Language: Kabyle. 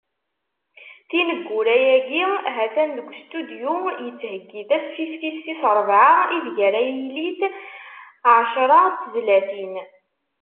Tineggura-agi, ha-t-an deg ustudyu, yettheggi tasfift-is tis rebɛa, ideg ara ilit ɛecra n tezlatin.